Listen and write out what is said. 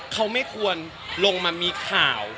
เขาไม่ควรลงมามีข่าว